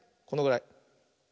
このぐらい。